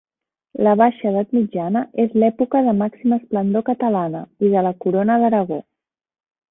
La baixa Edat Mitjana és l'època de màxima esplendor catalana i de la corona d'Aragó.